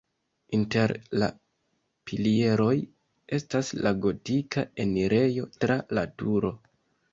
Inter la pilieroj estas la gotika enirejo tra la turo.